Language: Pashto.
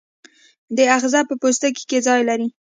دا آخذه په پوستکي کې ځای لري.